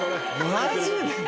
マジで？